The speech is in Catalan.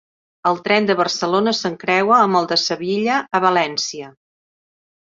El tren de Barcelona s'encreua amb el de Sevilla a València.